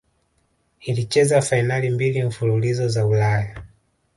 ilicheza fainali mbili mfululizo za ulaya